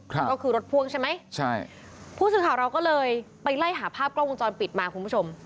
ก็คือรถพ่วงใช่ไหมใช่ผู้สื่อข่าวเราก็เลยไปไล่หาภาพกล้องวงจรปิดมาคุณผู้ชม